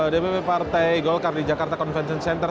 dpp partai golkar di jakarta convention center